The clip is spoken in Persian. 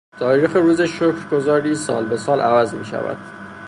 تاریخ روز شکرگزاری سال به سال عوض میشود.